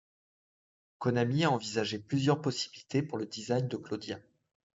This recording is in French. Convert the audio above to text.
Konami a envisagé plusieurs possibilités pour le design de Claudia.